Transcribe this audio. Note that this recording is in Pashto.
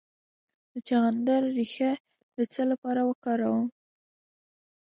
د چغندر ریښه د څه لپاره وکاروم؟